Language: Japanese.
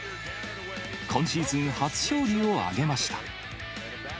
今シーズン初勝利を挙げました。